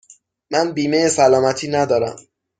من بیمه سلامتی ندارم.